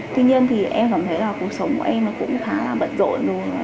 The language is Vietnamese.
tuy nhiên thì em cảm thấy là cuộc sống của em nó cũng khá là bận rộn